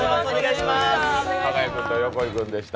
加賀谷君と横井君でした。